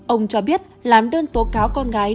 ông cho biết làm đơn tố cáo con gái